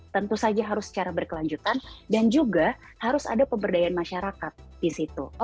tentu saja harus secara berkelanjutan dan juga harus ada pemberdayaan masyarakat di situ